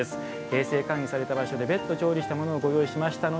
衛生管理された場所で別途調理したものをご用意しました。